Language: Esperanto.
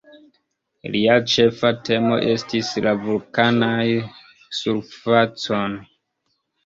Lia ĉefa temo estis la vulkanaj surfacoj.